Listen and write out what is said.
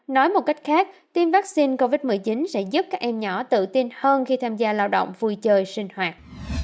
nói một cách khác tiêm vaccine covid một mươi chín sẽ giúp các em nhỏ tự tin hơn khi tham gia lao động vui chơi sinh hoạt